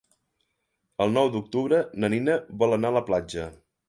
El nou d'octubre na Nina vol anar a la platja.